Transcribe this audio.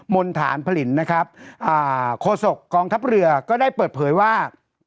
ณฐานผลิตนะครับโคศกกองทัพเรือก็ได้เปิดเผยว่า